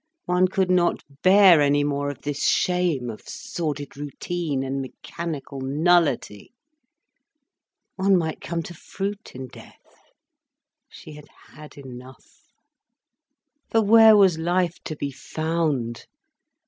One could not bear any more of this shame of sordid routine and mechanical nullity. One might come to fruit in death. She had had enough. For where was life to be found?